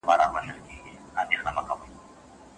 دوی خپل استدلال په کومه طریقه توجیه کوي؟